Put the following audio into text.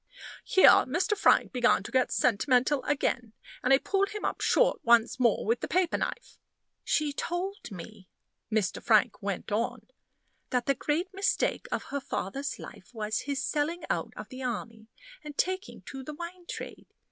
Here Mr. Frank began to get sentimental again, and I pulled him up short once more with the paper knife. "She told me," Mr. Frank went on, "that the great mistake of her father's life was his selling out of the army and taking to the wine trade.